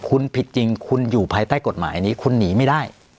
คุณผิดจริงคุณอยู่ภายใต้กฎหมายนี้คุณหนีไม่ได้